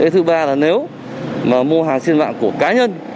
thứ ba là nếu mà mua hàng trên mạng của cá nhân